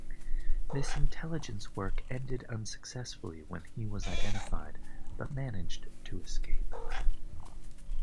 This intelligence work ended unsuccessfully when he was identified, but managed to escape.